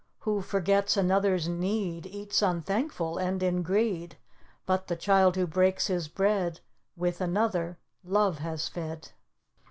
Who forgets another's need, Eats unthankful and in greed; But the child who breaks his bread With another, Love has fed."